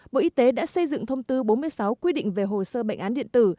bộ y tế đã xây dựng thông tư bốn mươi sáu quy định về hồ sơ bệnh án điện tử